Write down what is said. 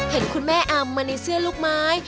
เห็นคุณแม่อำมาในเสื้อลูกไม้